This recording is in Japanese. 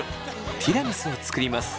ティラミスを作ります。